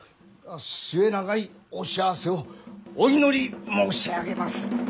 末永いお幸せをお祈り申し上げます。